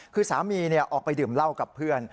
คือสามีออกไปดื่มเหล้ากับเพื่อน